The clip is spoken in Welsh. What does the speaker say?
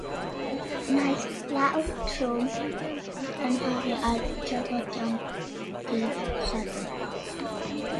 Fe wnaeth glaw trwm amharu ar drafodion dydd Sadwrn.